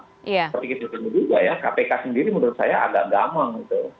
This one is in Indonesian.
tapi kita perlu juga ya kpk sendiri menurut saya agak gampang